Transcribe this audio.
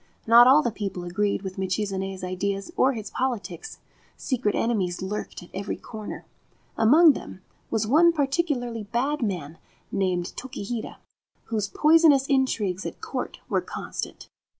Not all the people agreed with Michizane's ideas or his politics. Secret enemies lurked at every corner. Among them was one particularly bad man named Tokihira, whose poisonous intrigues at Court were constant.